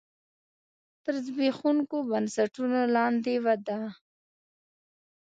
تر زبېښونکو بنسټونو لاندې وده.